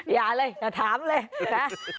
อย่าเลยอย่าถามเลยนะ